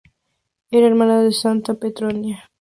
Era hermana de Santa Petronila.